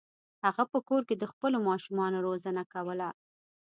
هغه په کور کې د خپلو ماشومانو روزنه کوله.